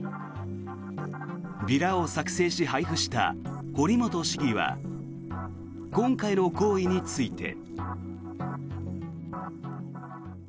ビラを作成し、配布した堀本市議は今回の行為について。